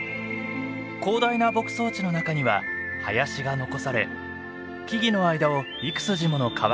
広大な牧草地の中には林が残され木々の間を幾筋もの川が流れています。